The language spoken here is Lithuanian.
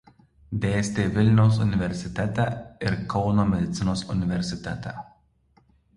Dėstė Vilniaus universitete ir Kauno medicinos universitete.